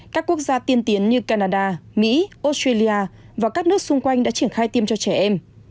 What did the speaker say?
các quốc gia tiên tiến như canada mỹ australia và các nước xung quanh đã triển khai tiêm cho trẻ em